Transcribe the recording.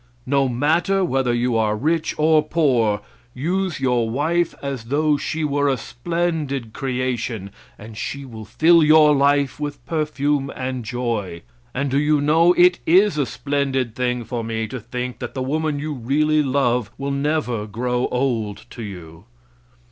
No matter whether you are rich or poor, use your wife as though she were a splendid creation, and she will fill your life with perfume and joy. And do you know, it is a splendid thing for me to think that the woman you really love will never grow old to you?